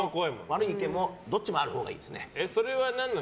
悪い意見もどっちもあるほうがいいですね。